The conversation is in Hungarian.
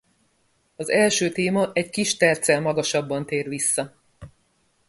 Az első téma egy kis terccel magasabban tér vissza.